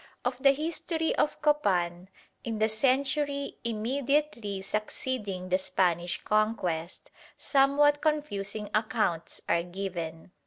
Of the history of Copan in the century immediately succeeding the Spanish Conquest, somewhat confusing accounts are given.